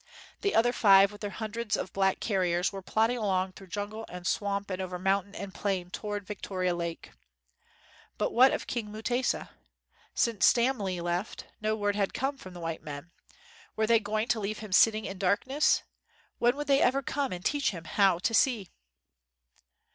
The other five with their hundreds of black car riers were plodding along through jungle 47 WHITE MAN OF WORK and swamp and over mountain and plain toward Victoria Lake. But what of King Mutesa % Since '' Stam lee" left, no word had come from the white men. Were they going to leave him "sit ting in darkness ''% When would they ever come to teach him "how to see"?